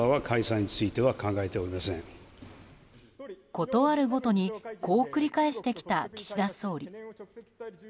ことあるごとにこう繰り返してきた岸田総理。